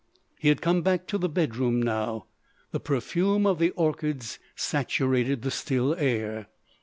He had come back to the bedroom, now. The perfume of the orchids saturated the still air.